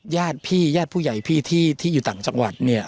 ญาติพี่ญาติผู้ใหญ่พี่ที่อยู่ต่างจังหวัดเนี่ย